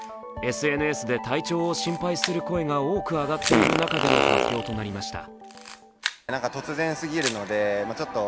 ＳＮＳで体調を心配する声が多く上がっている中での発表となりました。